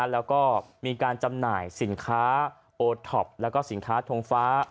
แล้วก็มีการจำหน่ายสินค้าโอท็อปแล้วก็สินค้าทงฟ้า